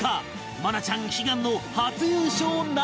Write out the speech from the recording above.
愛菜ちゃん悲願の初優勝なるか？